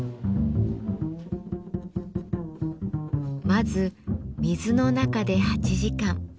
まず水の中で８時間。